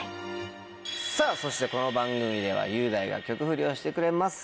さぁそしてこの番組では雄大が曲フリをしてくれます。